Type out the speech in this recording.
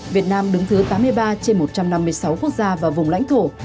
việt nam đứng thứ tám mươi ba trên một trăm năm mươi sáu quốc gia và vùng lãnh thổ